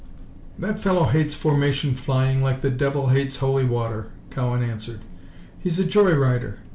"That fellow hates formation flying like the devil hates holy water," Cowan answered. "He's a joy rider.